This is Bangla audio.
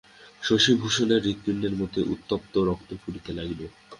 শশিভূষণের হৃৎপিণ্ডের মধ্যে উত্তপ্ত রক্ত ফুটিতে লাগিল।